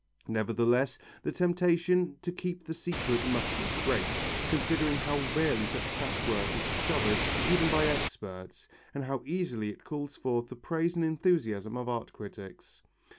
Nevertheless the temptation to keep the secret must be great, considering how rarely such patchwork is discovered even by experts, and how easily it calls forth the praise and enthusiasm of art critics.